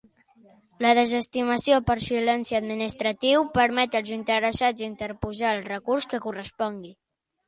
La desestimació per silenci administratiu permet als interessats interposar el recurs que correspongui.